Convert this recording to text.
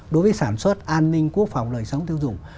đối với sản xuất an ninh quốc phòng đời sống tiêu dùng